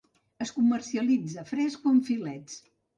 Es comercialitza fresc o en filets.